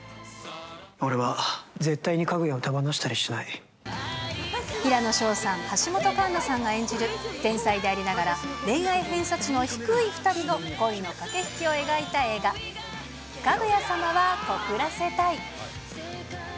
俺は絶対にかぐやを手放した平野紫燿さん、橋本環奈さんが演じる、天才でありながら恋愛偏差値の低い２人の恋の駆け引きを描いた映画、かぐや様は告らせたい。